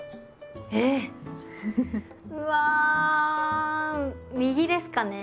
えっ⁉うわ右ですかね？